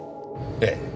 ええ。